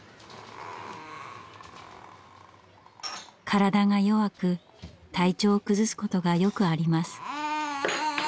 体が弱く体調を崩すことがよくあります。